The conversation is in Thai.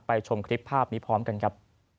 ชมคลิปภาพนี้พร้อมกันครับ